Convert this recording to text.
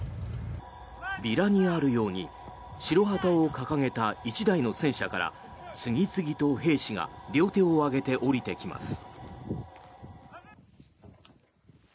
ビラにあるように白旗を掲げた１台の戦車から次々と兵士が両手を上げて降りてきます。